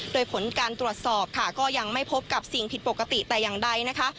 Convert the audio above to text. โดยผลการตรวจสอบค่ะก็ยังไม่พบกับสิ่งผิดปกติแต่อย่างใดนะคะ